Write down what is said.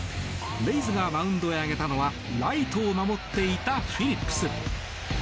レイズがマウンドへ上げたのはライトを守っていたフィリップス。